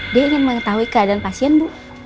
dia ingin mengetahui keadaan pasien bu